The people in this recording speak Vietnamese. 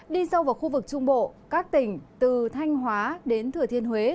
đi sâu vào khu vực trung bộ các tỉnh từ thanh hóa đến thừa thiên huế